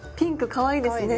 かわいいですね。